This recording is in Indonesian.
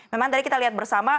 memang tadi kita lihat bersama